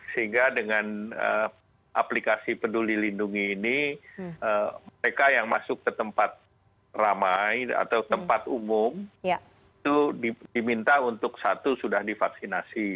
sehingga dengan aplikasi peduli lindungi ini mereka yang masuk ke tempat ramai atau tempat umum itu diminta untuk satu sudah divaksinasi